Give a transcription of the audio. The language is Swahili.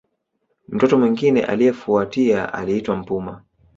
Mtoto mwingine aliyefuatia aliitwa Mpuma